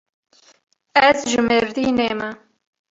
Ez ji Mêrdînê me.